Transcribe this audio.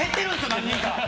何人か！